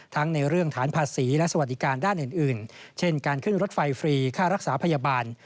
ทั้งในเรื่องฐานภาษีและสวัสดิการด้านอื่นเช่นการขึ้นรถไฟฟรีค่ารักษาพยาบาล